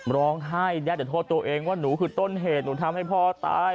ลงให้